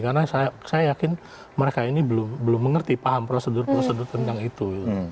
karena saya yakin mereka ini belum mengerti prosedur prosedur tentang itu